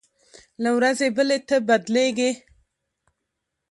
له ورځې بلې ته بدلېږي.